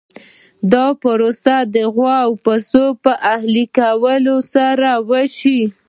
دا پرمختګ د غوا او پسه په اهلي کولو سره وشو.